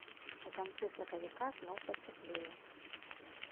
У канцы сакавіка зноў пацяплее.